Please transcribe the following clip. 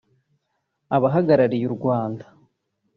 Abahagarariye u Rwanda